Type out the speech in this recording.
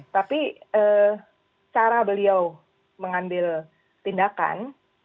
tapi cara beliau mengambil tindakan